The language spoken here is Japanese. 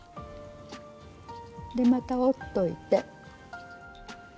でまた折っといて。